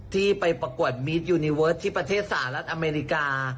ที่ไปประกวดมีดยูนิเวิร์ดที่ประเทศสหรัฐอเมริกา